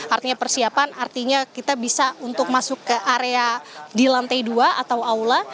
artinya persiapan artinya kita bisa untuk masuk ke area di lantai dua atau aula